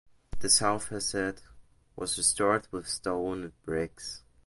The south facade was restored with stone and bricks.